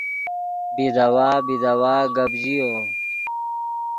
بیداوا بیداوا گپ ژیو